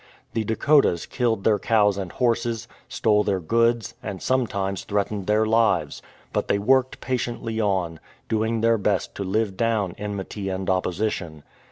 The Dakotas killed their cows and horses, stole their goods, and sometimes threat ened their lives. But they worked patiently on, doing their best to live down enmity and opposition.